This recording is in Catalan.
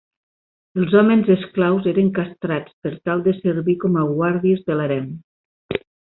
Els homes esclaus eren castrats per tal de servir com a guàrdies de l'harem.